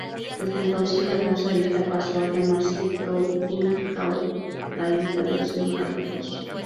Desde entonces, la hermosa isla paso a llamarse "Tol-in-Gaurhoth", la Isla de los Licántropos.